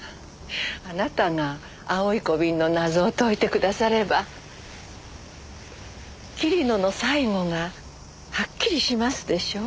あなたが青い小瓶の謎を解いてくだされば桐野の最期がはっきりしますでしょう？